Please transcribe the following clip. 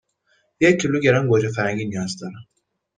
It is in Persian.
یک کیلوگرم گوجه فرنگی نیاز دارم.